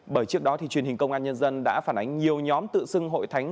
bởi trước đó truyền hình công an nhân dân đã phản ánh nhiều nhóm tự xưng hội thánh